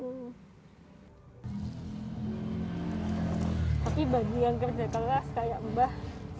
tapi bagi yang kerja keras kayak mbah